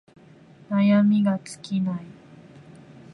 悩みが尽きない